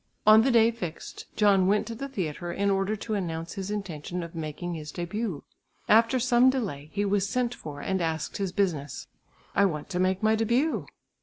On the day fixed, John went to the theatre in order to announce his intention of making his début. After some delay, he was sent for and asked his business. "I want to make my début."